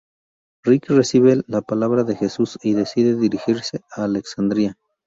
Rick recibe la palabra de Jesús, y decide dirigirse a Alexandría.